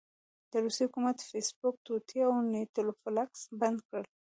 د روسيې حکومت فیسبوک، ټویټر او نیټفلکس بند کړل.